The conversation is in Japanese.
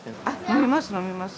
飲みます、飲みます。